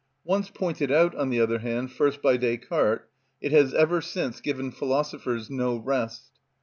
Once pointed out, on the other hand, first by Descartes, it has ever since given philosophers no rest.